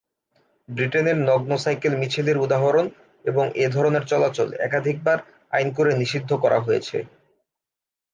ব্রিটেনের নগ্ন সাইকেল মিছিল এর উদাহরণ এবং এ ধরনের চলাচল একাধিকবার আইন করে নিষিদ্ধ করা হয়েছে।